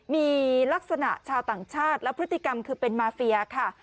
มีลักษณะชาวต่างชาติแล้วพฤติกรรมคือเป็นมาเฟียค่ะ